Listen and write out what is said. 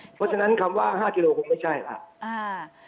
เพราะฉะนั้นคำว่า๕กิโลคงไม่ใช่แล้ว